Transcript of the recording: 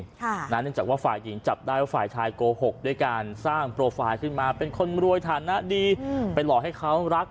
เนื่องจากว่าฝ่ายหญิงจับได้ว่าฝ่ายชายโกหกด้วยการสร้างโปรไฟล์ขึ้นมาเป็นคนรวยฐานะดีไปหลอกให้เขารัก